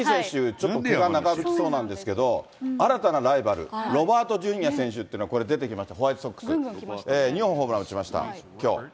ジャッジ選手、ちょっとけが長引きそうなんですけれども、新たなライバル、ロバートＪｒ．選手って、これ、出てきました、ホワイトソックス、２本ホームラン打ちました、きょう。